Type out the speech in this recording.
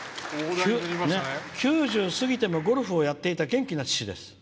９０過ぎてもゴルフをやっていた元気な父です。